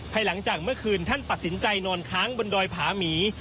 หลังจากเมื่อคืนท่านตัดสินใจนอนค้างบนดอยผาหมี